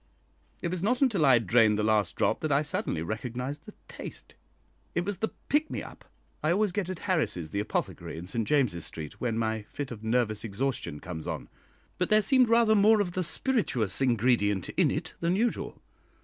It was not until I had drained the last drop that I suddenly recognised the taste. It was the "pick me up" I always get at Harris's, the apothecary in St James's Street, when my fit of nervous exhaustion come on, but there seemed rather more of the spirituous ingredient in it than usual.